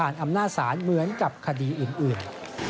สาเหมือนกับคดีอื่น